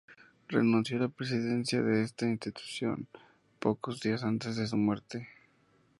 Renuncio a la presidencia de esta institución pocos días antes de su muerte.